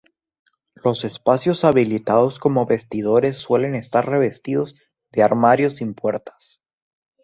Los espacios habilitados como vestidores suelen estar revestidos de armarios sin puertas.